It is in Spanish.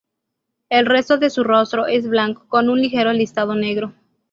El resto de su rostro es blanco con un ligero listado negro.